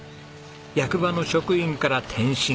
役場の職員から転身。